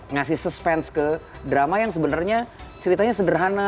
ngasih suspense ke drama yang sebenarnya ceritanya sederhana